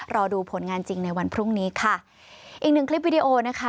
รอดูผลงานจริงในวันพรุ่งนี้ค่ะอีกหนึ่งคลิปวิดีโอนะคะ